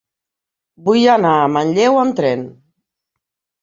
Vull anar a Manlleu amb tren.